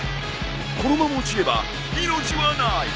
このまま落ちれば命はない。